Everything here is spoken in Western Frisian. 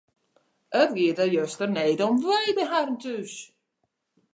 It gie der juster need om wei by harren thús.